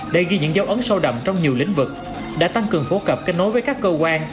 để ghi những dấu ấn sâu đậm trong nhiều lĩnh vực đã tăng cường phổ cập kết nối với các cơ quan